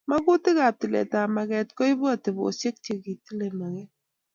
Magutikab tiletab maget koibu atebosiek che kitile maget